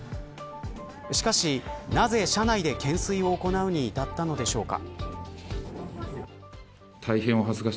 しかし、なぜ車内で懸垂を行うに至ったのでしょうか。